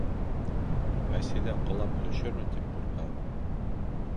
Вәсилә ҡолап төшөрмөн тип ҡурҡа.